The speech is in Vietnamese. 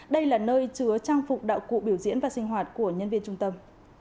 đây là nơi chứa trang phục đạo cụ biểu diễn và sinh hoạt của nhân viên trung tâm